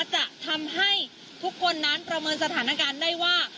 จะทำให้ทุกคนนั้นประเมินสถานการณ์ได้ว่า